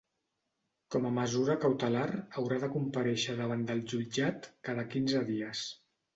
Com a mesura cautelar haurà de comparèixer davant del jutjat cada quinze dies.